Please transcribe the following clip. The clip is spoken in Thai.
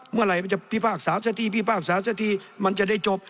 เมื่อไหร่มันจะพิพากษาสักทีพิพากษาสักทีมันจะได้จบ